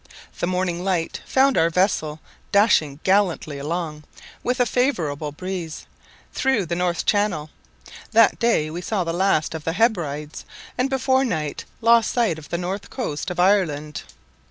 The morning light found our vessel dashing gallantly along, with a favourable breeze, through the north channel; that day we saw the last of the Hebrides, and before night lost sight of the north coast of Ireland.